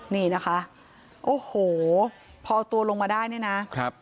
นี่นะคะโอ้โหพอเอาตัวลงมาได้เนี่ยนะครับ